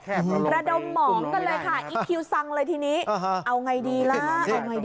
ระดมหมองกันเลยค่ะอีคคิวซังเลยทีนี้เอาไงดีล่ะเอาไงดี